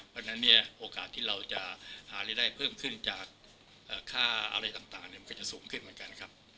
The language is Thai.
เพราะฉะนั้นเนี่ยโอกาสที่เราจะหารายได้เพิ่มขึ้นจากค่าอะไรต่างมันก็จะสูงขึ้นเหมือนกันครับ